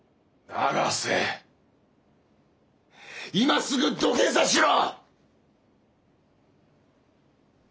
今すぐ土下座しろ！